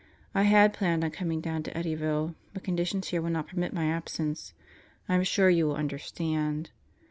I had planned on coming down to Eddyville, but conditions here will not permit my absence. I 7 m sure you will understand.